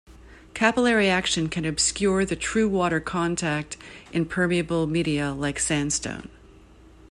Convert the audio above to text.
Capillary action can obscure the true water contact in permeable media like sandstone.